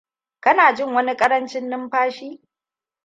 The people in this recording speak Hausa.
kana jin wani ƙarancin numfashi?